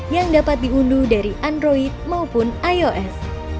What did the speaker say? yang dapat diunduh dari android maupun ios